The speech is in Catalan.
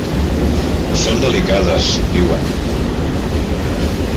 Són delicades, diuen.